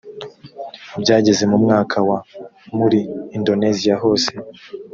byageze mu mwaka wa… muri indoneziya hose